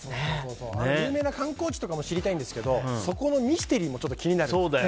有名な観光地とかも知りたいんですけどそこのミステリーも気になる。